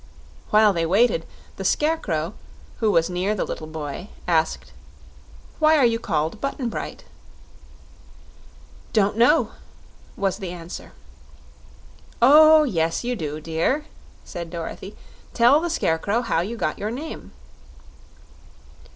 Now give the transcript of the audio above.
While they waited, the Scarecrow, who was near the little boy, asked: "Why are you called Button Bright?" "Don't know," was the answer. "Oh yes, you do, dear," said Dorothy. "Tell the Scarecrow how you got your name."